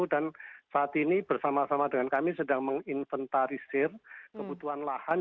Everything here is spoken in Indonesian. dan saat ini bersama sama dengan kami sedang menginventarisir kebutuhan lahan